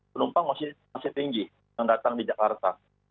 penumpang masih tinggi yang datang di jakarta